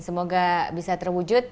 semoga bisa terwujud